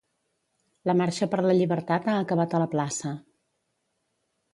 La Marxa per la Llibertat ha acabat a la plaça .